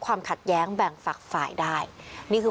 ก็มันยังไม่หมดวันหนึ่ง